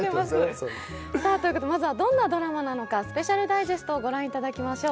まずはどんなドラマなのか、スペシャルダイジェストをご覧いただきましょう。